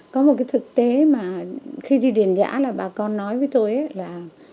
có một thực tế mà khi đi điển giã là bà con nói với tôi là